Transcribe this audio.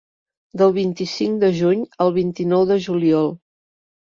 Del vint-i-cinc de juny al vint-i-nou de juliol.